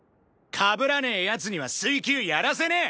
かぶらねえ奴には水球やらせねえ。